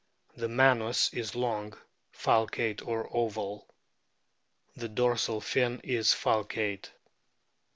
The manus is long, falcate, or oval. The dorsal fin is falcate.